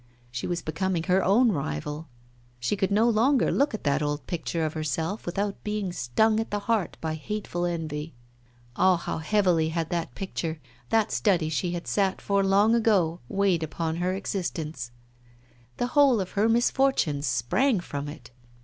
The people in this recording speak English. She was becoming her own rival, she could no longer look at that old picture of herself without being stung at the heart by hateful envy. Ah, how heavily had that picture, that study she had sat for long ago, weighed upon her existence! The whole of her misfortunes sprang from it.